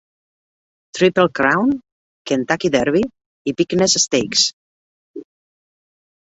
Triple Crown, Kentucky Derby i Preakness Stakes.